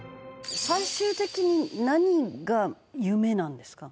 最終的に何が夢なんですか？